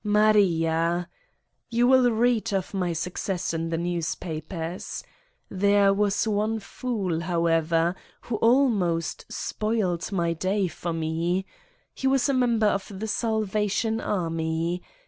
Maria ! You will read of my success in the newspapers. There was one fool, however, who almost spoiled my day for me : he was a member of the Salvation Army.